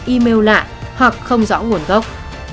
email lạ hoặc không rõ nguồn gốc